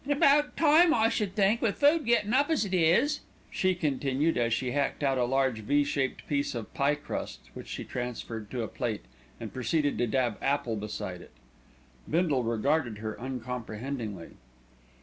"And about time, I should think, with food going up as it is," she continued, as she hacked out a large V shaped piece of pie crust which she transferred to a plate, and proceeded to dab apple beside it. Bindle regarded her uncomprehendingly.